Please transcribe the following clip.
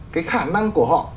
cái khả năng của họ